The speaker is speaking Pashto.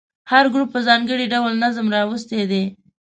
هر ګروپ په ځانګړي ډول نظم راوستی دی.